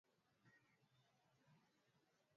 Ulipata chanjo lini?